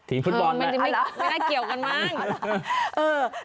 ถีนฟุตบอลนะไม่น่าเกี่ยวกันมาก